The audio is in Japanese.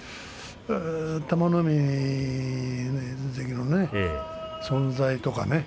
玉の海関の存在とかね